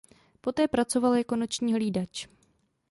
Poté pracoval jako noční hlídač.